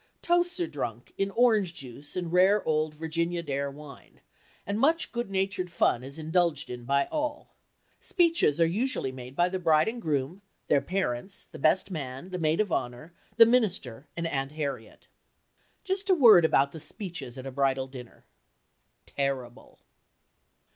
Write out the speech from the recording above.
Toasts are drunk in orange juice and rare old Virginia Dare wine, and much good natured fun is indulged in by all. Speeches are usually made by the bride and groom, their parents, the best man, the maid of honor, the minister and Aunt Harriet. Just a word about the speeches at a bridal dinner. Terrible!